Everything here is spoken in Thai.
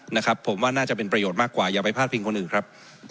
นะครับผมว่าน่าจะเป็นประโยชน์มากกว่าอย่าไปพลาดพิงคนอื่นครับ